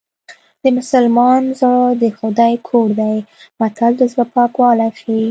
د مسلمان زړه د خدای کور دی متل د زړه پاکوالی ښيي